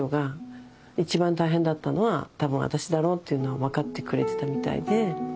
いちばん大変だったのは多分私だろうっていうのは分かってくれてたみたいで。